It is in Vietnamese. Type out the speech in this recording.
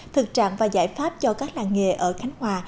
thực trạng và giải pháp cho các làng nghề ở khánh hòa